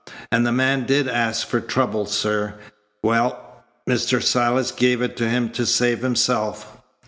And the man did ask for trouble, sir. Well! Mr. Silas gave it to him to save himself."